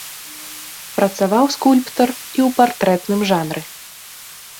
Працаваў скульптар і ў партрэтным жанры.